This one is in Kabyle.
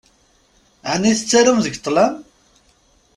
Ɛni tettarum deg ṭṭlam?